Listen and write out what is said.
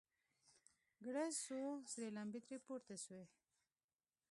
ګړز سو سرې لمبې ترې پورته سوې.